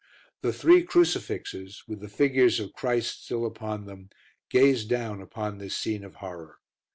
The three crucifixes, with the figures of Christ still upon them, gazed down upon this scene of horror.